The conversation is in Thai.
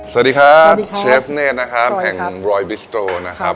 สวัสดีครับเชฟเนธนะครับแห่งรอยบิสโตรนะครับ